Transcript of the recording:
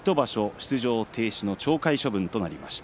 出場停止の懲戒処分となりました。